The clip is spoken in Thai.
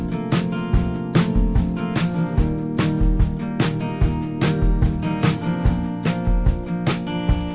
ตอนโรงผมก็ว่าว่าว่าจะไปเทียดใดอะไรอย่างนี้